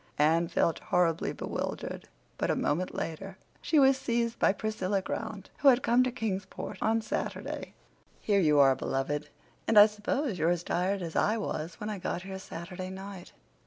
Anne felt horribly bewildered, but a moment later she was seized by Priscilla Grant, who had come to Kingsport on Saturday. "Here you are, beloved! And I suppose you're as tired as I was when I got here Saturday night."